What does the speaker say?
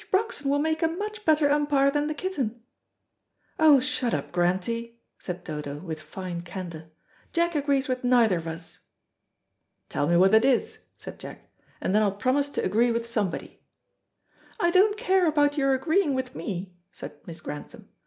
Broxton will make a much better umpire than the kitten." "Oh, shut up, Grantie," said Dodo, with fine candour, "Jack agrees with neither of us." "Tell me what it is," said Jack, "and then I'll promise to agree with somebody." "I don't care about your agreeing with me," said Miss Grantham.